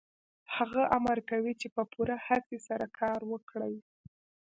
هغه امر کوي چې په پوره هڅې سره کار وکړئ